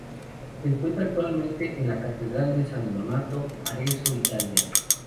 Se encuentra actualmente en la Catedral de San Donato, Arezzo, Italia.